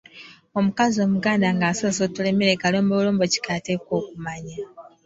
Omukazi Omuganda ng’asoosootola emmere kalombolombo ki k’ateekwa okumanya?